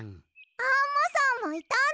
アンモさんもいたんだ！